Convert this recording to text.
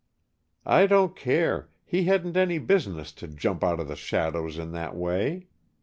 "I don't care, he hadn't any business to jump out of the shadows in that way.